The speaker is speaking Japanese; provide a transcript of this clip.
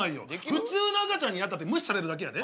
普通の赤ちゃんになったって無視されるだけやで？